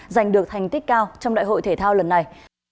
giành được thành tích cao trong đại hội thể thao lần này